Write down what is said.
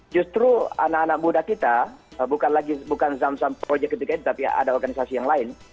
justru anak anak muda kita bukan zam zam project ketika ini tapi ada organisasi yang lain